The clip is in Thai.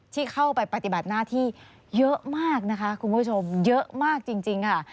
ที่เข้าไปปฏิบัติหน้าที่เยอะมากนะคะคุณผู้ชมเยอะมากจริงค่ะ